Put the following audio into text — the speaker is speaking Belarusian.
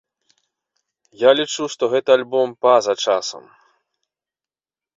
Я лічу, што гэты альбом па-за часам.